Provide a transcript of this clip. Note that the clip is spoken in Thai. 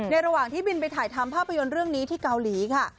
ระหว่างที่บินไปถ่ายทำภาพยนตร์เรื่องนี้ที่เกาหลีค่ะ